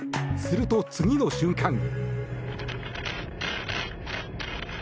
すると、次の瞬間。